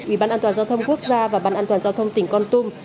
ủy ban an toàn giao thông quốc gia và ban an toàn giao thông tỉnh con tum